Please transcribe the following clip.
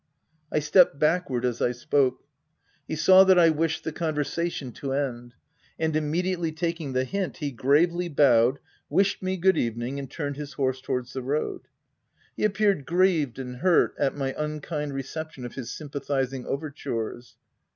I stepped backward as I spoke. He saw that I wished the conversation to end ; and immediately taking the hint, he gravely bowed, wished me good evening, and turned his horse towards the road. He appeared grieved and hurt at my unkind reception of his sympa thizing overtures.